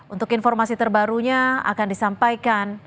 untuk informasi terbarunya akan disampaikan